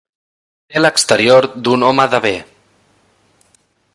Té l'exterior d'un home de bé.